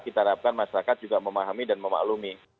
kita harapkan masyarakat juga memahami dan memaklumi